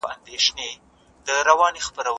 څېړونکی د متن کمزورۍ څنګه روښانه کوي؟